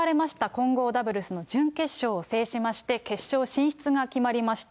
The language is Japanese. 混合ダブルスの準決勝を制しまして、決勝進出が決まりました。